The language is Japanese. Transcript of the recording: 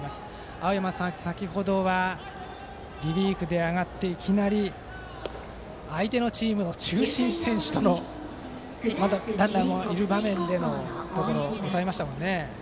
青山さん、先程はリリーフで上がっていきなり相手のチームの中心選手との対戦ランナーもいる場面でのところを抑えました。